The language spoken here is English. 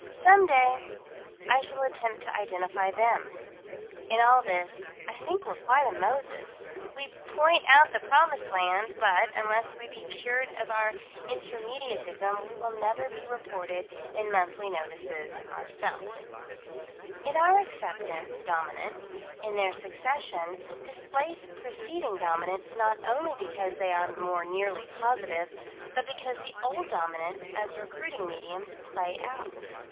Some day I shall attempt to identify them. In all this, I think we're quite a Moses. We point out the Promised Land, but, unless we be cured of our Intermediatism, will never be reported in Monthly Notices, ourself. In our acceptance, Dominants, in their succession, displace preceding Dominants not only because they are more nearly positive, but because the old Dominants, as recruiting mediums, play out.